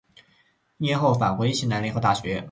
一年后返回西南联合大学。